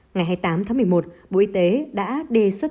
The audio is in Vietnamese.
ngày hai mươi tám tháng một mươi một bộ y tế đã đề xuất